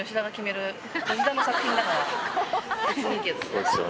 そうですよね。